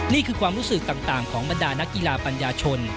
นี่คือความรู้สึกต่างของบรรดานักกีฬาปัญญาชน